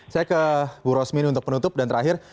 saya ke bu rosmini untuk penutup dan terakhir